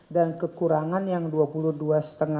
dan kekurangan yang rp dua puluh dua juta